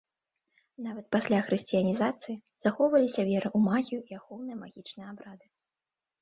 Нават пасля хрысціянізацыі захоўваліся вера ў магію і ахоўныя магічныя абрады.